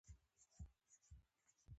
ګلاب له خوشبویۍ ډک دی.